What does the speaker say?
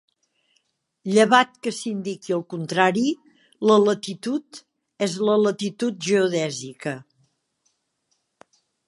Llevat que s'indiqui el contrari, la latitud és la latitud geodèsica.